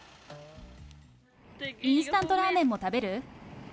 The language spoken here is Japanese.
インスタントラーメンも食べる？